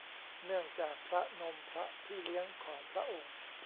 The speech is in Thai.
เนื่องจากพระนมพระพี่เลี้ยงของพระองค์